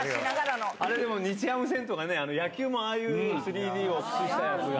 あれでも、日ハム戦とかね、野球もああいう３Ｄを駆使したやつが。